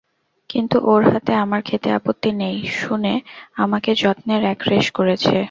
কিন্তু ওর হাতে আমার খেতে আপত্তি নেই শুনে আমাকে যত্নের একশেষ করেছে।